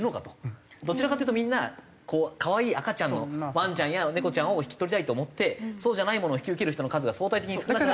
どちらかというとみんなかわいい赤ちゃんのワンちゃんや猫ちゃんを引き取りたいと思ってそうじゃないものを引き受ける人の数が相対的に少なくなって。